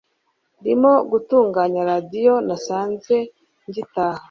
ndimo gutunganya radio nasanze ngitaha